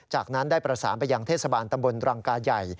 จากนั้นได้ประสานไปยังเทศบาลตำบลรังกาใหญ่